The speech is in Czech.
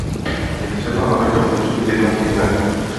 Je třeba, abychom začali jednat ihned.